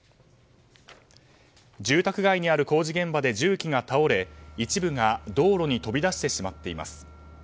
住宅街にある工事現場で重機が倒れ一部が道路に飛び出してしまっています。